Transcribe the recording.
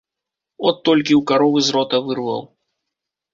От толькі ў каровы з рота вырваў.